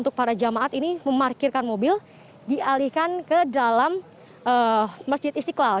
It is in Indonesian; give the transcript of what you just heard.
karena jamaat ini memarkirkan mobil dialihkan ke dalam masjid istiqlal